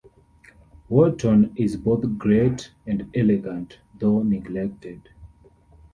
Wotton is both great and elegant, though neglected.